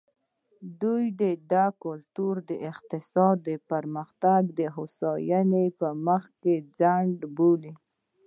دوی دا کلتور د اقتصادي پرمختګ او هوساینې په مخ کې خنډ بولي.